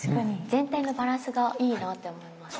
全体のバランスがいいなって思います。